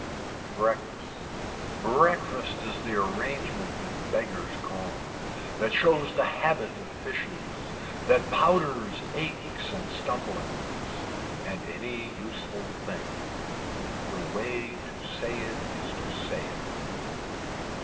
Breakfast, breakfast is the arrangement that beggars corn, that shows the habit of fishes, that powders aches and stumblings, and any useful thing. The way to say it is to say it.